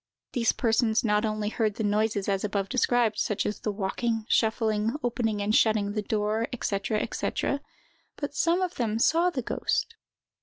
These persons not only heard the noises as above described, such as the walking, shuffling, opening and shutting the door, &c., &c., but some of them saw the ghost.